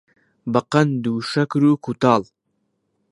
بەقەند و شەکر و کووتاڵ